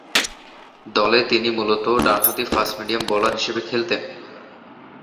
দলে তিনি মূলত ডানহাতি ফাস্ট-মিডিয়াম বোলার হিসেবে খেলতেন।